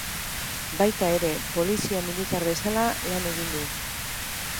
Baita ere, polizia militar bezala lan egiten du.